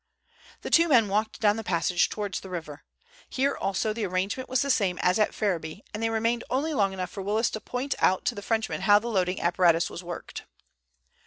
The two men walked down the passage towards the river. Here also the arrangement was the same as at Ferriby, and they remained only long enough for Willis to point out to the Frenchman how the loading apparatus was worked.